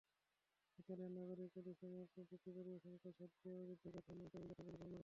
Italian নাগরিক Elisa Moretti দুটো পরিবেশনাকেই শ্বাস রুদ্ধকর সম্মোহনী অভিজ্ঞতা বলে বর্ণনা করেন।